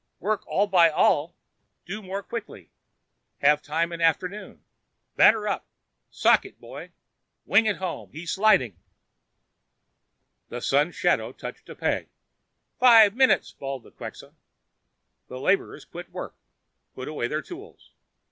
Work all by all, do more quick. Have time in afternoon. Batter up! Sock it, boy! Wing it home, he sliding!" The sun's shadow touched a peg. "Five minute!" bawled the Quxa. The laborers quit work, put away their tools.